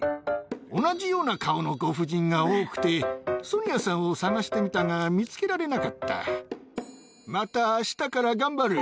同じような顔のご婦人が多くて、ソニアさんを探してみたが、見つけられなかった。